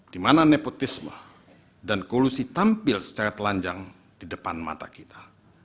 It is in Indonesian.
di mana nepotisme dan kolusi tampil secara telanjang di depan mata kita